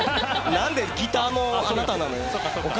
何でギターのあなたなのよ！